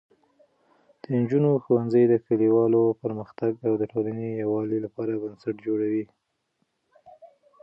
د نجونو ښوونځی د کلیوالو پرمختګ او د ټولنې یووالي لپاره بنسټ جوړوي.